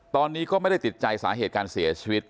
ตอนนี้ก็ไม่ได้ติดใจสาเหตุการเสียชีวิต